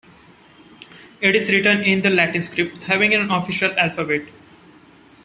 It is written in the Latin script, having an official alphabet.